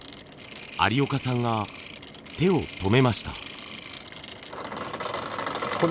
有岡さんが手を止めました。